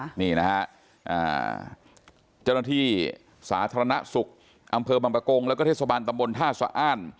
เจ้าหน้าที่สาธารณะศุกร์อำเภอบังปะโกงและเทศบาลตำบลท่าสะอ้าน